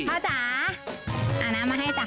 พ่อจ๋าเอาน้ำมาให้จัง